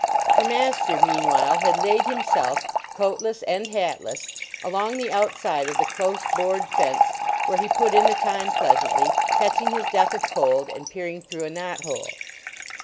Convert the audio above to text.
Her master, meanwhile, had laid himself, coatless and hatless, along the outside of the close board fence, where he put in the time pleasantly, catching his death of cold and peering through a knot hole.